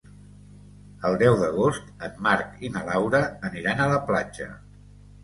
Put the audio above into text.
El deu d'agost en Marc i na Laura aniran a la platja.